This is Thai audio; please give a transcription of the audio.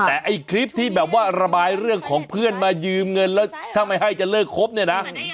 แต่ไอ้คลิปที่แบบว่าระบายเรื่องของเพื่อนมายืมเงินแล้วถ้าไม่ให้จะเลิกครบเนี่ยนะ